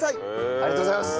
ありがとうございます。